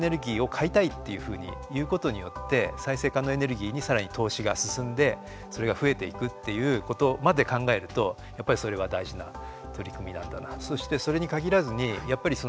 買いたいっていうふうに言うことによって再生可能エネルギーにさらに投資が進んで、それが増えていくっていうことまで考えると、やっぱりそれは大事な取り組みなんだなっていう。